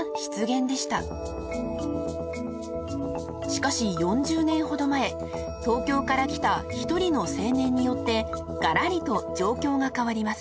［しかし４０年ほど前東京から来た１人の青年によってがらりと状況が変わります］